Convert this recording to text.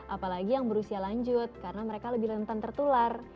apalagi yang berusia lanjut karena mereka lebih rentan tertular